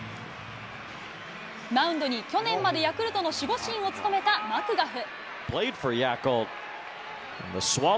マウンドに去年までヤクルトの守護神を務めたマクガフ。